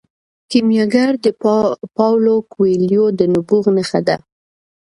کیمیاګر د پاولو کویلیو د نبوغ نښه ده.